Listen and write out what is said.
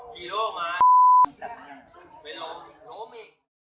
กลับมาเช็ดตาของมอง